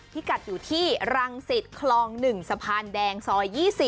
กัดอยู่ที่รังสิตคลอง๑สะพานแดงซอย๒๐